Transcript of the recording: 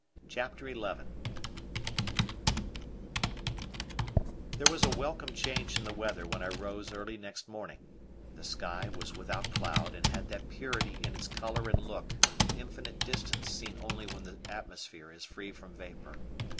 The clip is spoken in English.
CHAPTER XI There was a welcome change in the weather when I rose early next morning; the sky was without cloud and had that purity in its colour and look of infinite distance seen only when the atmosphere is free from vapour.